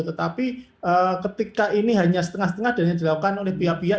tetapi ketika ini hanya setengah setengah dan yang dilakukan oleh pihak pihak